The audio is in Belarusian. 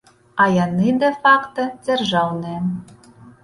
А яны дэ-факта дзяржаўныя.